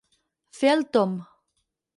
Fer el tomb.